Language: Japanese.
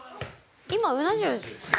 今うな重。